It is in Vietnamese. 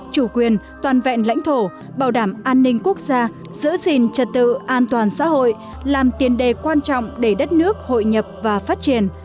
chủ quyền toàn vẹn lãnh thổ bảo đảm an ninh quốc gia giữ gìn trật tự an toàn xã hội làm tiền đề quan trọng để đất nước hội nhập và phát triển